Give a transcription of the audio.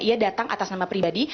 ia datang atas nama pribadi